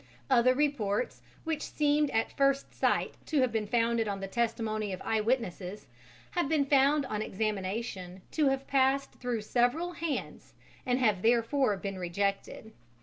Other reports, which seemed at first sight to have been founded on the testimony of eyewitnesses, have been found on examination to have passed through several hands, and have therefore been rejected.